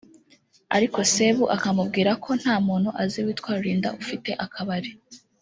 ariko Sebu akamubwira ko nta muntu azi witwa Rulinda ufite akabari